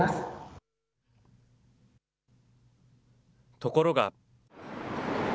ところが。